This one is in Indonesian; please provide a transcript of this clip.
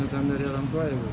ketahuan dari orang tua ya bu